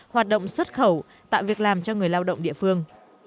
hoạt động xuất khẩu tạo việc làm cho người lao động địa phương